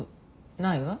ないわ。